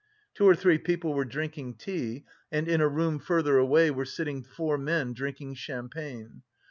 Two or three people were drinking tea, and in a room further away were sitting four men drinking champagne.